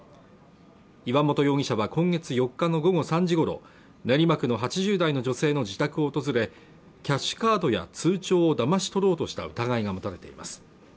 岩本容疑者は今月４日の午後３時ごろ練馬区の８０代の女性の自宅を訪れキャッシュカードや通帳をだまし取ろうとした疑いが持たれています